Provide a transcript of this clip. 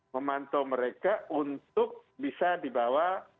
memantau mereka untuk bisa dibawa